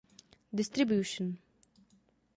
Distribution.